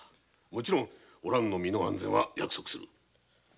もちろん身の安全は約束する。